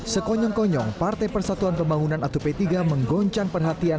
sekonyong konyong partai persatuan pembangunan atau p tiga menggoncang perhatian